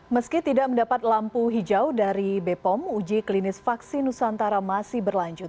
meski tidak mendapat lampu hijau dari bepom uji klinis vaksin nusantara masih berlanjut